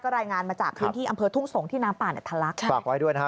รายงานมาจากพื้นที่อำเภอทุ่งสงที่น้ำป่าเนี่ยทะลักฝากไว้ด้วยนะฮะ